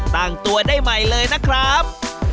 ตั้งตัวได้ใหม่เลยนะครับ